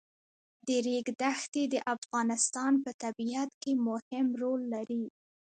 د ریګ دښتې د افغانستان په طبیعت کې مهم رول لري.